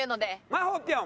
まほぴょん。